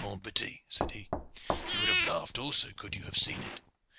mon petit," said he, "you would have laughed also could you have seen it.